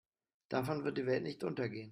Davon wird die Welt nicht untergehen.